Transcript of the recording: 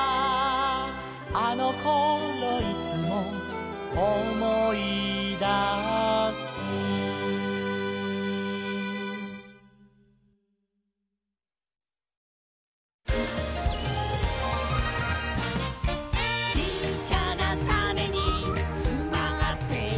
「あのころいつも」「おもいだす」「ちっちゃなタネにつまってるんだ」